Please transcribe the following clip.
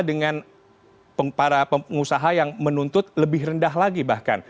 dengan para pengusaha yang menuntut lebih rendah lagi bahkan